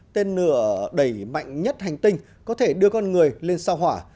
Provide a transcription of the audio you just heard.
tên nửa đầy mạnh nhất hành tinh có thể đưa con người lên sao hỏa